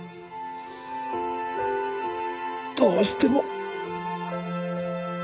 どうしても。